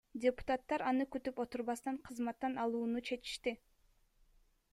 Депутаттар аны күтүп отурбастан кызматтан алууну чечишти.